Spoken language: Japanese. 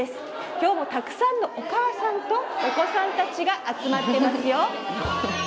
今日もたくさんのお母さんとお子さんたちが集まってますよ。